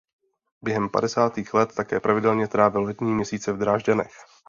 Během padesátých let také pravidelně trávil letní měsíce v Drážďanech.